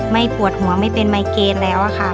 ไม่ปวดหัวไม่เป็นไมเกรดแล้วค่ะ